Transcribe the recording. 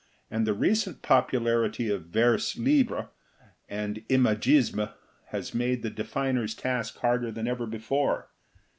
And the recent popularity of vers libre and imagisme has made the definer's task harder than ever before.